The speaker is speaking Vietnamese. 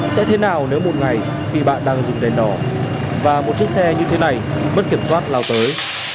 sẽ thế nào nếu một ngày khi bạn đang dùng đèn đỏ và một chiếc xe như thế này mất kiểm soát lao tới